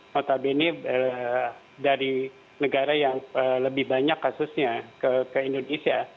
notabene dari negara yang lebih banyak kasusnya ke indonesia